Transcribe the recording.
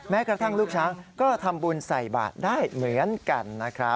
กระทั่งลูกช้างก็ทำบุญใส่บาทได้เหมือนกันนะครับ